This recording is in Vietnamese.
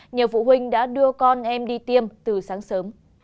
nhiều phụ huynh đã đưa con em đi tiêm từ sáng sớm